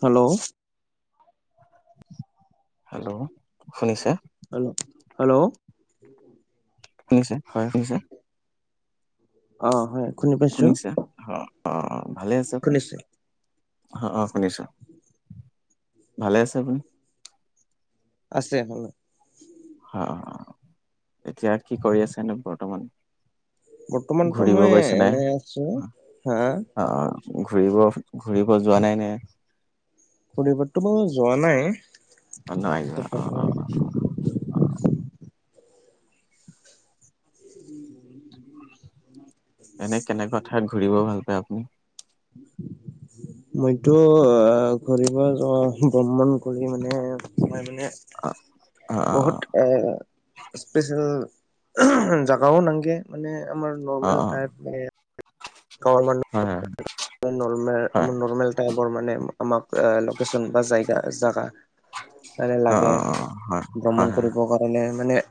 Hello hello শুনিছে? Hello hello কি ৰকম [unintelligible] শুনিছে হয় শুনিছে অ হয় শুনি পাইছো। শুনিছে অ অ ভালে আছে আপুনি শুনিছো হ অ শুনিছোঁ ভালে আছে আপুনি আছে হলো হ এতিয়া কি কৰি আছে নো বৰ্তমান? বৰ্তমানতো ঘূৰিব মই গৈছে নে এনেই আছো হা। অ ঘূৰিব ঘূৰিব যোৱা নাই নে? ঘুৰিবটো মই যোৱা নাই নাই যোৱা অ অ এনে কেনেকুৱা ঠাইত ঘূৰিব ভাল পায় আপুনি? মইতো ঘুৰিব যোৱা ভ্ৰমণ কৰি মানে মই মানে অ অ বহুত এই স্পেচিয়েল জগাও নাংগে মানে আমাৰ অ অ নৰ্মেল অ টাইপ মানে হয় গভৰ্মেণ্ট হয় হয় ন নৰ্মেল [unintelligible] টাইপৰ মানে আমাক লোকেশ্যন বা জেইগা জাগা মানে অ অ লাগে অ ভ্ৰমণ কৰিব কাৰণে মানে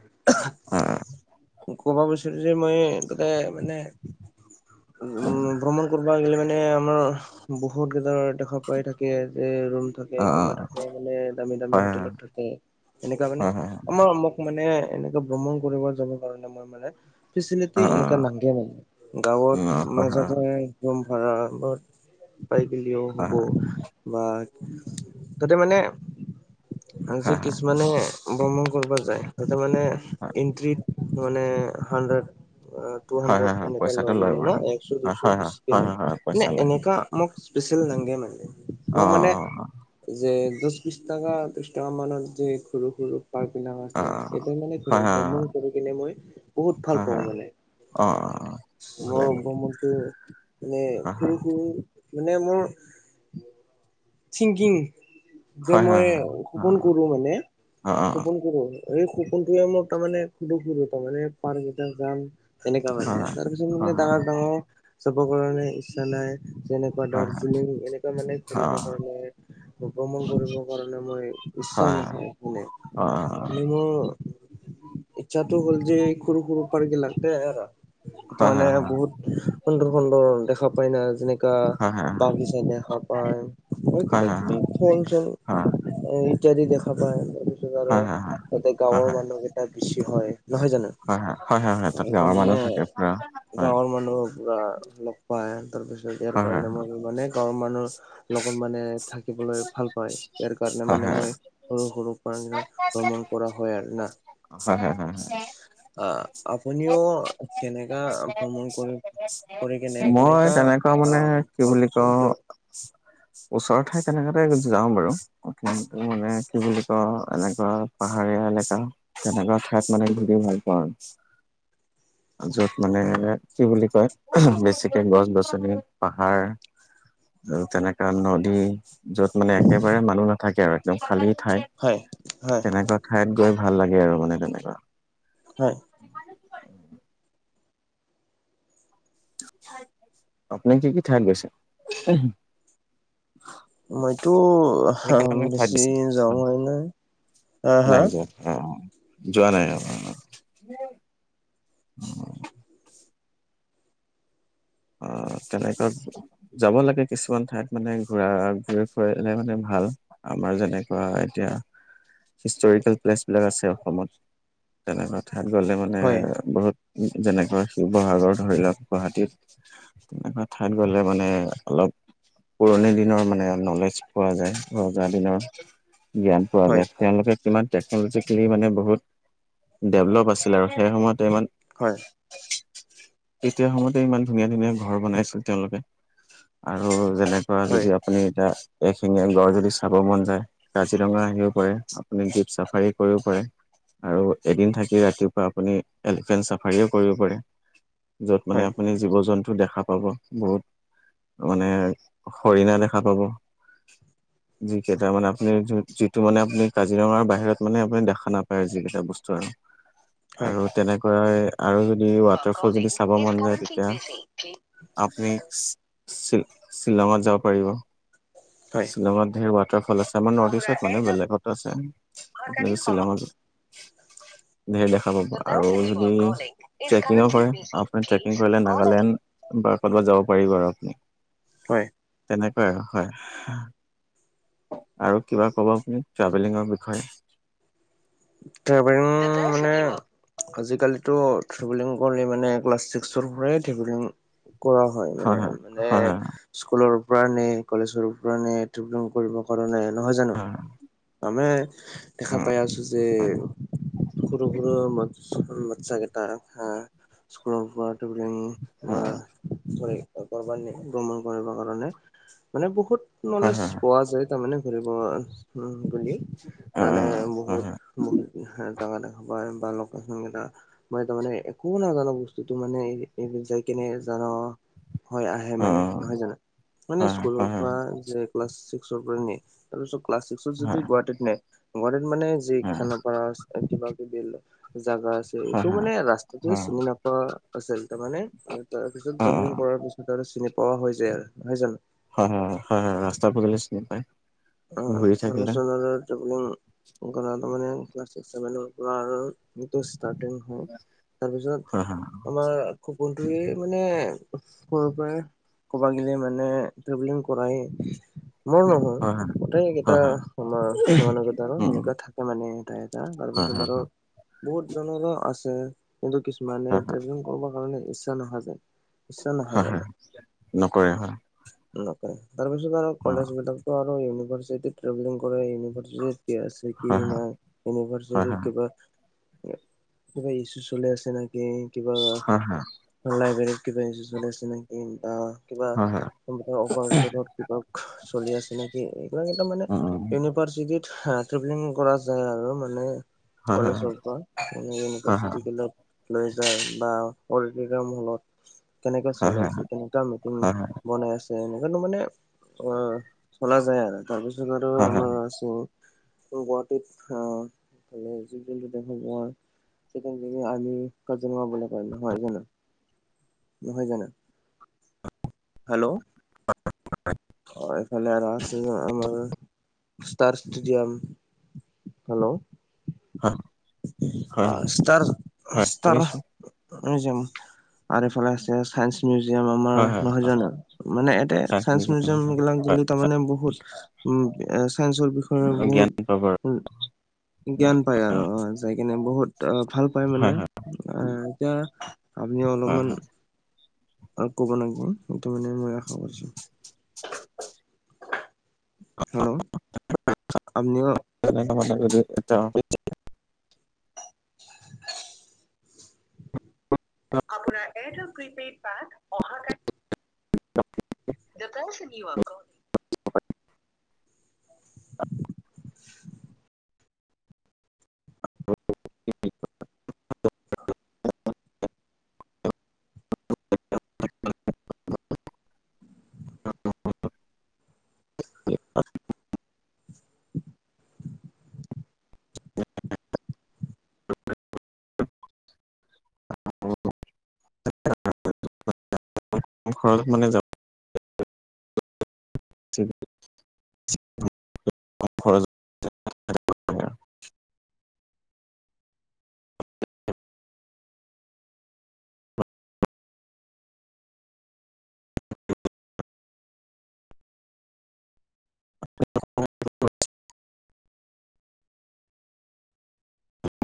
উম কব বিচাৰো যে মই তাতে মানে উ ভ্ৰমণ কৰো গলে মানে আমাৰ বহুত গেজৰ দেখা পাই থাকে যে ৰুম থাকে অ কিবা থাকে মানে দামী দামী হয় হয় হোটেলত থাকে এনেকা মানে হয় হয় হয় আমাৰ অমোক মানে এনেকে ভ্ৰমণ কৰিব যাব। মানে অ ফেচিলিটী অ এনে নাংগে মানে গাঁৱত হয় হয় মাজতে ৰুম ভাড়া বহুত পাই গেলিও হয় হ'ব। বা তাতে মানে আজি হয় হয় হয় কিছুমানে ভ্ৰমণ কৰিব যায় তাতে মানে এণ্ট্ৰিত মানে হানড্ৰেড হয় টুহাড্ৰেড হয় হয় এনে পইচাটো লয় মানে ন বাৰু একশ হয় দুইশ হয় বেছিকে হয় লয় হয় হয় হয় পইচা মানছ লয় এনেকা মোক স্পেচিয়েল নাংগে মানে অ মই মানে যে দশ বিশছ টকা ত্ৰিশ টকা মানত যে সৰু সৰু পাৰ্ক বিলাকত অ অ যে সেইটো মানে হয় ঘূৰে হয় ভ্ৰমণ কৰি কিনে মই বহুত ভাল হয় পাওঁ হয় মানে। অ অ ভালে মই ভ্ৰমণটো মানে হয় সৰু সৰু মানে মোৰ থিংকিং যে হয় হয় হয় মই হয় সপোন কৰো মানে অ অ খোপন কৰোঁ মানে এই সপোনটোয়ে মোক তাৰমানে সুধো খুধো তাৰমানে পাৰ্ক কেতিয়া যাম তেনেকা হয় মানে, হয় তাৰপিছত হয় মানে ডাঙৰ ডাঙৰ চাবৰ কাৰণে ইচ্ছা নাই। যেনেকুৱা হয় হয় দাৰ্জিলিং এনেকুৱা মানে ঘূৰি ব কাৰণে ভ্ৰমণ কৰিবৰ কাৰণে মই হয় ইচ্ছা হয় নহয়। মানে অ মানে মোৰ ইচ্ছাটো হ'ল যে সৰু সৰু পাৰ্কবিলকতে আৰ। সেটো হয় মানে হয় বহুত সুন্দৰ সুন্দৰ দেখা পায় না যেনে কা হয় হয় হয় হয় হয় হয় হয় হয় হয় হয় হয় বাগিচা দেখা পায়। কইটা বাজিলে ফোন চোন ইত্যাদি দেখা পায় হয় [unintelligible] তাতে গাঁৱৰ মানুহ এটা বেছি হয় নহয় জানো। হয়, হয় হয় হয় হয় তাত গাৱৰ মানুহ থাকে পুৰা হয়। মানুহৰ পুৰা লগ পাই তাৰ পিছত ইয়াৰ হয় হয় কাৰণে মই ভাবো মানে গাঁৱৰ মানুহ। লগত মানে থাকিবলৈ ভাল পায় ইয়াৰ কাৰণে হয় মানে হয় মই, সৰু সৰু পাৰ্ক গিলা [unintelligible] ভ্ৰমণ কৰা হয় আৰু না। হা হা হা। আ আপুনিও। কেনেকা ভ্ৰমণ কৰি কৰি কেনে মই কেনেকা তেনেকুৱা মানে আহ কি ভাল বুলি পাইছো কওঁ। এইটো ওচৰৰ ঠাই তেনেকাতে যাওঁ বাৰু। প্ৰটো মানে কি বুলি ক, এনেকুৱা পাহাৰীয়া এলেকা। তেনেকুৱা ঠাইত মানে ধুৰি ভাল পাওঁ। য'ত মানে কি বুলি কয়, বেছিকে গছ গছনি, পাহাৰ। আৰু তেনেকা নদী। য'ত মানে একেবাৰে মানুহ নাথাকে আৰু একদম খালী ঠাই হয় হয় তেনেকুৱা। ঠাইত গৈ ভাল লাগে আৰু মানে তেনেকুৱা। হয়। আপনি কি কি থাইত গৈছে? মইতো আপুনি কেনেকুৱা ঠাইত বেছি গৈছে যাওঁ হয় নাই, হা-হা? নাই যোৱা অ' যোৱা নাই অ। অ অ তেনেকৈ যাব লাগে কিছুমান ঠাইত মানে ঘূৰা ঘূৰি ফুৰালে মানে ভাল। আমাৰ যেনেকুৱা এতিয়া হিষ্টৰিকেল প্লেচ বিলাক আছে অসমত তেনেকুৱা ঠাইত গ'লে মানে হয় বহুত যেনেকা শিৱসাগৰ ধৰি লওক গুৱাহাটীত তেনেকুৱা ঠাইত গ'লে মানে অলপ পুৰণি দিনৰ মানে নলেজ পোৱা যায়, ৰজা দিনৰ জ্ঞান পোৱা হয়, যায়। তেওঁলোকে কিমান টেকনলজিকেলি মানে বহুত ডেভলপ আছিলে আৰু সেই সময়তে ইমান হয়। এতিয়া সময়তে ইমান ধুনীয়া-ধুনীয়া ঘৰ বনাইছিল তেওঁলোকে আৰু যেনেকুৱা হয়, যদি আপুনি এতিয়া এ শিঙীয়া গড় যদি চাব মন যায়। কাজিৰঙা আহিও পাৰে, আপুনি জীপ চাফাৰী কৰিবও পাৰে, আৰু এদিন থাকি ৰাতিপুৱা আপুনি এলিফেণ্ট চাফাৰীও কৰিব পাৰে। য'ত মানে হয়, আপুনি জীৱ-জন্তু দেখা পাব, বহুত মানে হৰিণা দেখা পাব। [unintelligible] যি কেইটা মানে আপুনি যিটো মানে আপুনি কাজিৰঙাৰ বাহিৰত মানে আপুনি দেখা নাপায় যি কেইটা বস্তু আৰু। হয়। আৰু তেনেকুৱাই আৰু যদি ৱাটাৰ ফল কলিং যদি চাব ইজ মন যায় কাৰেণ্টলি তেতিয়া বিজি। আপুনি চি চিলং যাব পাৰিব। হয়। শ্বিলঙত ধেৰ ৱাটাৰফল আছে, আমাৰ নৰ্থ আপোনাৰ ইষ্টত মানে এটা বেলেগতো আছে। আপুনি সহকাৰী সম [unintelligible] ধেৰ দেখা পাব, আৰু যদি ট্ৰেকিং কৰে আপুনি ট্ৰেকিং কৰিলে নাগালেণ্ড, বা কৰ'বাত যাব পাৰিব আৰু আপুনি। হয়। তেনেকুৱাই আৰু হয়। আৰু কিবা ক'ব আপুনি ট্ৰেভেলিঙৰ বিষয়ে? ট্ৰেভেলিং মানে আজিকালিতো ট্ৰেভেলিং কৰিলে মানে ক্লাছ ছিক্সৰ পৰাই ট্ৰেভেলিং কৰা হয় মানে, মানে হয় হয় স্কুলৰ পৰা নে, কলেজৰ পৰা নে, ট্ৰেভেলিং কৰিবৰ কাৰণে? নহয় জানো, আমে দেখা হয় পাই আছো যে সৰু-সৰু মাতছ বাচ্ছা কেইটা হাহ, [unintelligible] গপ ধব্লীয়ঙী বা হয় বৰ আগৰবাৰী ব্ৰহ্ম। কৰিব কাৰণে। মানে বহুত নলেজ হয় পোৱা যায় তাৰানে ঘৰি [unintelligible] ত হয় তানে হয় বহুত হয় বহুত জোগা দেখা পায় বা ল কেইটা। মই তাৰ মানে একো নাজানো, বস্তুতটো মানে য কেনে জান হয় আহে মানে নহয় জানো? মানে হয় হয় হয় হয় স্কুলৰ পৰা যে ক্লা চিক্সৰ পৰা নি তাৰপিছত ক্লাছস যদি গুৱাহাটীত নাই গুৱাহাটীত মানে য হয় খানাপাৰা কিবা কিবি। জোগা আছে হয় হয় অ এইটো মানে ৰাস্তাটো চিনি নোপোৱা আছিল তাৰমানে। তাৰ পিছত তেভেলিং কৰাৰ পিছত আৰু চিনি পোৱা হৈ যায় আৰু নহয় জানো। হয় হয় হয় হয় হয় ৰাস্তা পদুলি চিনি পায়। ঘূৰি থাকিলে তাৰপিছত আৰু ট্ৰেভেলিং কৰা মানে ক্লাছ ছিক্স-চেভেনৰ পৰা আৰু যিটো ষ্টাৰ্টিং হয়, হয় হয় তাৰপিছত আমাৰ সপোনটোৱে মানে সৰুৰ পৰাই কবা গিলে মানে, ট্ৰেভেলিং কৰাই মোৰ নহল। [unintelligible] হয় গটেইকেইটাৰ হয় মানুহকেইটা আৰু সেনেকা থাকে মানে এটা এটা হয় তাৰপিছত হয় আৰু হয় বহুত জনৰ আছে কিন্তু কিছুমানে হয় ট্ৰেভেলিং কৰিব কাৰণে ইচ্ছা নাখ যায়। ইচ্ছা নাহে হয় মানে হয় নকৰে হয়। নকৰে তাৰপিছত আৰু অ কলেজ বিলাকো আৰু ইউনিভাৰ্চিটিত ট্ৰেভেলিং কৰে ইউনিভাৰ্চিটিত। কি আছে কি হয় হয় নাই হয় ইউনিভাৰ্চিটিৰ হয় কিবা। কিবা ইছু চলি আছে নেকি কিবা। হয় হয় লাইব্ৰেৰত কিবা ইুচালাই আছে নেকি বা কিবা হয় হয় অপাৰেটেৰত। [unintelligible] চলি আছে। যে এইবিলাক এটা মানে উম উম ইউনিভাৰ্চিটি হা ট্ৰেভেলিং কৰা যায় আৰু মানে। হয় হয় কলেজৰ পৰা [unintelligible] হয় হয় ইউনিভাৰ্চিটি। [unintelligible] লৈ যায় বা [unintelligible] হলত। কেনেকাে হয় চলি হয় আছে কেনেকা মেটিং হয় বনাই আছে এনেৱা মানে অ। খোলা যায় আৰু তাৰপিছত আৰু হয় হয় হয় আমাৰ আ ত গুৱাহাটীত জীৱ জন্তটো দেখা পোৱাৰ। থিকে আমি [unintelligible] নহয় জানো। হেল্ল', [unintelligible] অ এইফালে আৰু আছে আমাৰ ষ্টাৰ ষ্টেডিয়াম। হেল্ল', হয় আহ ইষ্টাৰ হয় ইষ্টাৰ, শুনিছো যে আৰু এইফালে আছে চাই মিয়োজীয়াম আমাৰ হয় হয় নহয় জানো মানে ইয়াতে চাইন্স চাঞ্চ মিউজিয়াম যোনবিলাক হয় যোনে তাৰমানে বহোত উম চাঞ্চৰ বিষয়ে বহুত। জ্ঞান পাব উ আৰু জ্ঞান পাই আৰু আহ যাই কিনে বহুত আহ ভাল পায় মানে। হয় হয় আহ এতিয়া আপনি হয় অলপমান। হয় আৰু ক'ব লাগিব সেইটো মানে মই আশা কৰিছো। হেল্ল', আপুনিও [unintelligible] [unintelligible] আপোনাৰ এয়াৰটেল প্ৰিপেইড পেক অহা কালি [unintelligible] দা পাৰ্চন ইউ আৰ কলিংগ [inaudible] [inaudible] [unintelligible] [unintelligible] ঘৰত মানে যাব [unintelligible] [unintelligible] খৰচ